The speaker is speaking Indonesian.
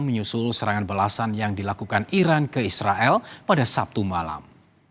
menyusul serangan belasan yang dilakukan iran ke israel pada sabtu malam